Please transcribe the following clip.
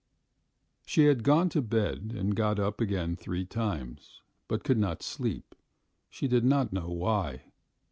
She had gone to bed and got up again three times, but could not sleep, she did not know why.